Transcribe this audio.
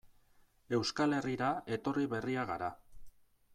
Euskal Herrira etorri berriak gara.